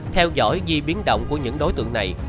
theo dõi di biến động của những đối tượng này